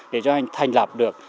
để cho anh thành lập được